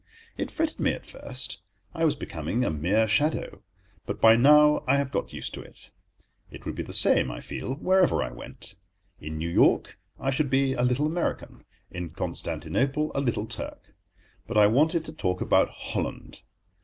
It fretted me at first; I was becoming a mere shadow. But by now I have got used to it. It would be the same, I feel, wherever I went. In New York I should be a Little American; in Constantinople a Little Turk. But I wanted to talk about Holland.